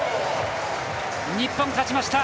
日本、勝ちました。